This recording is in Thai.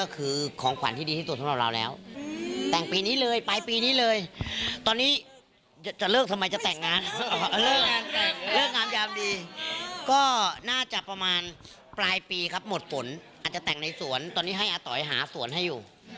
ก็น่าจะประมาณปลายปีครับหมดฝนอาจจะแต่งในสวนตอนนี้ให้อาต๋อยหาสวนให้อยู่